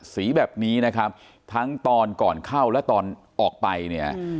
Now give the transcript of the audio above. สีแบบนี้นะครับทั้งตอนก่อนเข้าและตอนออกไปเนี่ย